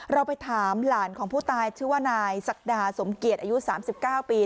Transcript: เราไปถามหลานของผู้ตายชื่อว่านายศักดาสมเกียจอายุ๓๙ปี